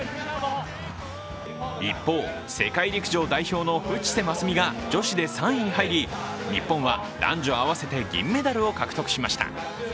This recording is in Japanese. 一方、世界陸上代表の渕瀬真寿美が女子で３位に入り日本は男女合わせて銀メダルを獲得しました。